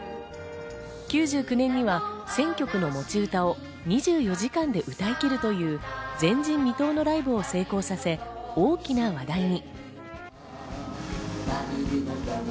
９９年には１０００曲の持ち歌を２４時間で歌いきるという、前人未到のライブを成功させ、大きな話題に。